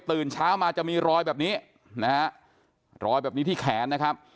เช้ามาจะมีรอยแบบนี้นะฮะรอยแบบนี้ที่แขนนะครับ